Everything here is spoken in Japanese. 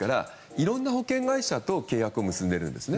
いろんな保険会社と契約を結んでいるわけです。